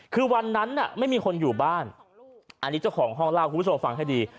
คือวันนั้นไม่มีคนอยู่บ้านอันนี้เจ้าของห้องเล่าคุณผู้ชมฟังให้ดี